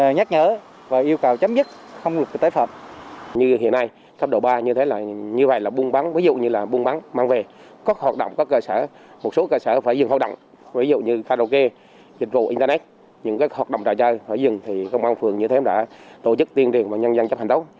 như hiện nay cấp độ ba như thế này như vậy là buôn bắn ví dụ như là buôn bắn mang về có hoạt động có cơ sở một số cơ sở phải dừng hoạt động ví dụ như karaoke dịch vụ internet những cái hoạt động trò chơi phải dừng thì công an phường như thế đã tổ chức tuyên truyền và nhân dân chấp hành đấu